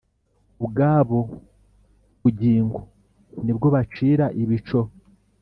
ubwabo bugingo ni bwo bacira ibico